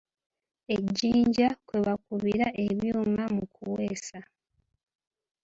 Ejjinja kwe bakubira ebyuma mu kuweesa.